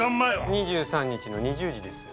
２３日の２０時です。